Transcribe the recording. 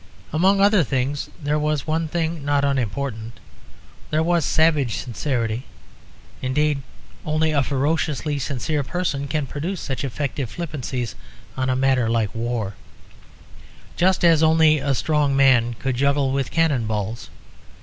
Among other things there was one thing not unimportant; there was savage sincerity. Indeed, only a ferociously sincere person can produce such effective flippancies on a matter like war; just as only a strong man could juggle with cannon balls.